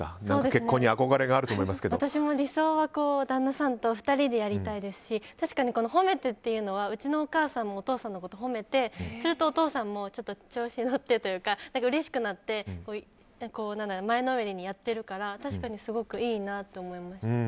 結婚にあこがれが私も理想は旦那さんと２人でやりたいですし確かに褒めてというのはうちのお母さんもお父さんを褒めてするとお父さんも調子に乗ってというかうれしくなって前のめりにやってるから確かにいいなと思いました。